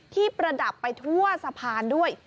ประดับไปทั่วสะพานด้วย